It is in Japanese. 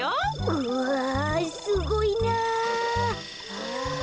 うわすごいな！